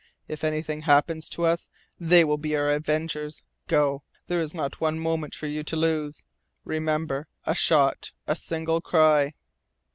If anything happens to us they will be our avengers. Go! There is not one moment for you to lose. Remember a shot a single cry!"